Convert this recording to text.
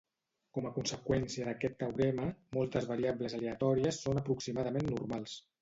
Com a conseqüència d'aquest teorema, moltes variables aleatòries són aproximadament normals